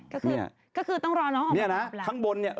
ก็คือก็คือต้องรอน้องอ๋อมไปกลับแล้วนี่นะข้างบนเนี่ย